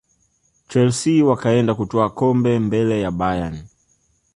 chelsea wakaenda kutwaa kombe mbele ya bayern